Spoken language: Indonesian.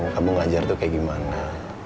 kamu ngajar tuh kayak gimana